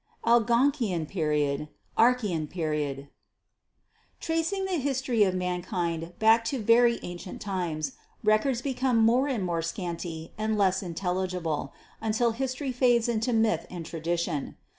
J Algonkian Period {_ Archaean Period "Tracing the history of mankind back to very ancient times, records become more and more scanty and less in telligible, until history fades into myth and tradition.